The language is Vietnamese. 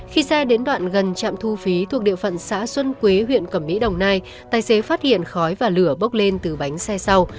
khi xe đến đoạn gần trạm thu phí thuộc địa phận xã xuân quế huyện cẩm mỹ đồng nai tài xế phát hiện khói và lửa bốc lên từ bánh xe sau